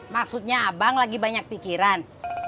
maksudnya abang lagi banyak pikiran